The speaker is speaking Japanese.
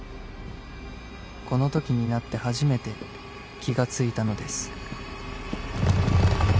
［このときになって初めて気が付いたのです］